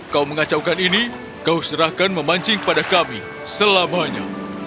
kau mengacaukan ini kau serahkan memancing pada kami selamanya